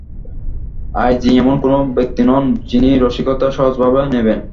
I G এমন কোনো ব্যক্তি নন, যিনি রসিকতা সহজভাবে নেবেন।